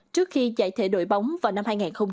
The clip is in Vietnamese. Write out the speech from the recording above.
trước khi giải thịa đội bóng vào năm hai nghìn hai mươi hai